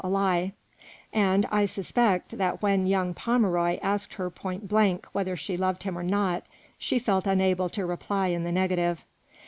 21 a lie ; and I suspect that when young Pomeroy asked her point blank whether she loved him or not, she felt unable to reply in the negative.